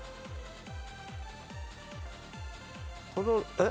えっ？